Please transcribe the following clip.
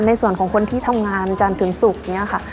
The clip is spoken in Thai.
ในส่วนของคนที่ทำงานจันทร์ถึงศุกร์เนี่ยค่ะ